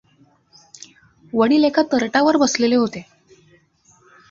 वडील एका तरटावर बसलेले होते.